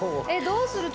どうする？